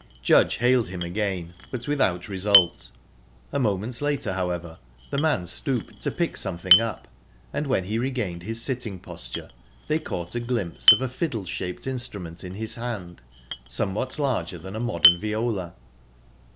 Judge hailed him again, but without result. A moment later, however, the man stooped to pick something up, and when he regained his sitting posture they caught a glimpse of a fiddle shaped instrument in his hand, somewhat larger than a modern viola.